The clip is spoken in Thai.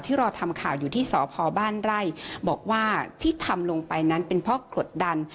รอทำข่าวอยู่ที่สพบ้านไร่บอกว่าที่ทำลงไปนั้นเป็นเพราะกดดัน